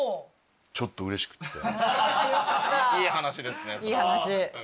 いい話ですね。